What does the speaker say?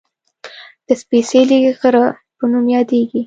د "سپېڅلي غره" په نوم یادېږي